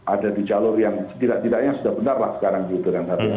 ada di jalur yang setidak tidaknya sudah benar lah sekarang gitu kan